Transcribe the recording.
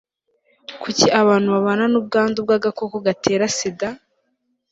kuki abantu babana n'ubwanda bw'agakoko gatera sida